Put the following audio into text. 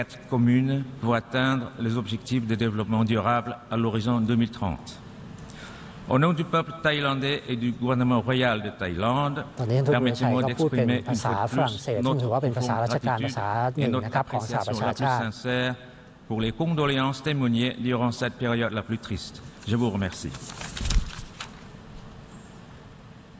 ตอนนี้ท่านทูธวิราชัยก็พูดเป็นภาษาฝรั่งเศสท่านทูธว่าเป็นภาษาราชการภาษาหนึ่งนะครับของสหประชาชา